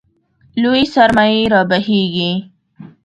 لویې سرمایې رابهېږي.